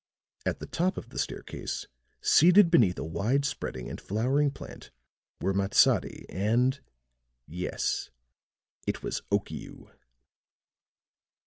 At the top of the staircase, seated beneath a wide spreading and flowering plant, were Matsadi, and yes, it was Okiu!